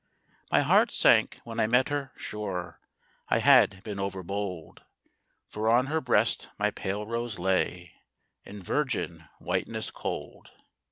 My heart sank when I met her: sure I had been overbold, For on her breast my pale rose lay In virgin whiteness cold.